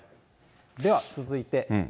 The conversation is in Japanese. では続いて。